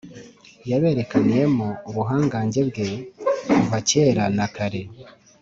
yaberekaniyemo ubuhangange bwe kuva kera na kare.